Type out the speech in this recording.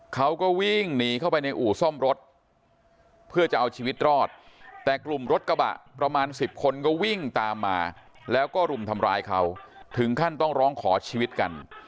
เขาก็วิ่งหนีเข้าไปในอู่ซ่อมรถเพื่อจะเอาชีวิตรอดแต่กลุ่มรถกระบะประมาณ๑๐คนก็วิ่งตามมาแล้วก็รุมทำร้ายเขาถึงขั้นต้องร้องขอชีวิตกัน